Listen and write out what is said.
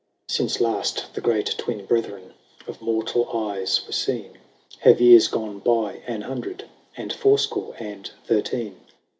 V. Since last the Great Twin Brethren Of mortal eyes were seen. Have years gone by an hundred And fourscore and thirteen.